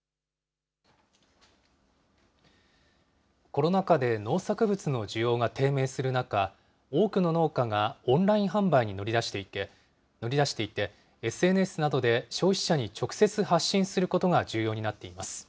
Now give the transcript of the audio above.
コロナ禍で農作物の需要が低迷する中、多くの農家がオンライン販売に乗り出していて、ＳＮＳなどで消費者に直接発信することが重要になっています。